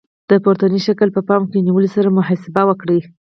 د پورتني شکل په پام کې نیولو سره محاسبه وکړئ.